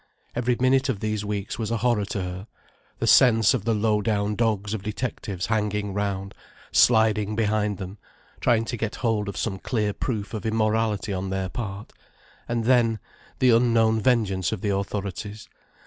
Every minute of these weeks was a horror to her: the sense of the low down dogs of detectives hanging round, sliding behind them, trying to get hold of some clear proof of immorality on their part. And then—the unknown vengeance of the authorities.